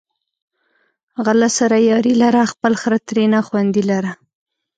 غله سره یاري لره، خپل خر ترېنه خوندي لره